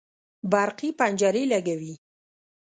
برقي پنجرې لګوي